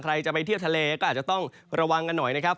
ใครจะไปเที่ยวทะเลก็อาจจะต้องระวังกันหน่อยนะครับ